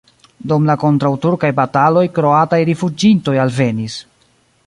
Dum la kontraŭturkaj bataloj kroataj rifuĝintoj alvenis.